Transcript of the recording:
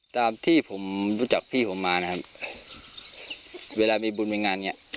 ตามที่ผมรู้จักพี่ผมมานะครับเวลามีบุญมีงานเนี้ย